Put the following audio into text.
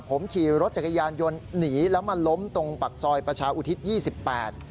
ผมขี่รถจักรยานยนต์หนีและมาล้มตรงปากซอยประชาอุทิษฐ์๒๘